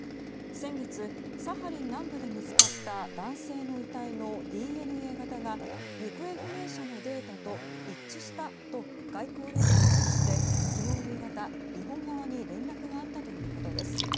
先月、サハリン南部で見つかった男性の遺体のＤＮＡ型が行方不明者のデータと一致したと外交ルートを通じて昨日夕方日本側に連絡があったということです。